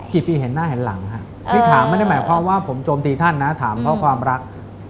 กี่ปีเห็นหน้าเห็นหลังฮะนี่ถามไม่ได้หมายความว่าผมโจมตีท่านนะถามเพราะความรัก